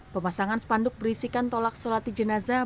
pemasangan spanduk berisikan tolak solati jenazah